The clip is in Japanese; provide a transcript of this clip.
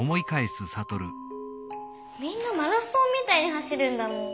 みんなマラソンみたいに走るんだもん。